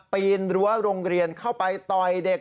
ปีนรั้วโรงเรียนเข้าไปต่อยเด็ก